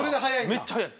めっちゃ速いです。